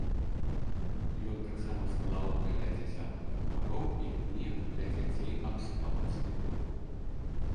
Ён таксама склаў каля дзясятка буквароў і кніг для дзяцей аб скауцкім руху.